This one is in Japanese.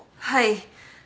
はい。